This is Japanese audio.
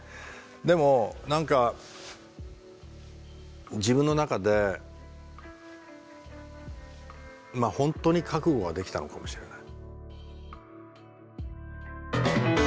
でも何か自分の中でまあほんとに覚悟ができたのかもしれない。